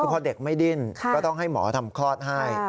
พอเด็กไม่ดิ้นก็ต้องให้หมอทำคลอดให้